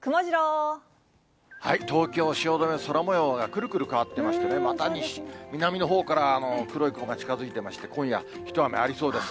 東京・汐留、空もようがくるくる変わってましてね、また南のほうから黒い雲が近づいてまして、今夜、一雨ありそうです。